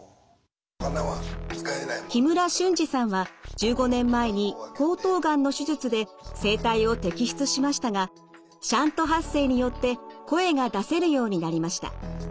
木村俊治さんは１５年前に喉頭がんの手術で声帯を摘出しましたがシャント発声によって声が出せるようになりました。